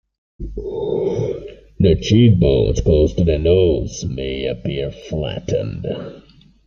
The cheekbones close to the nose may appear flattened.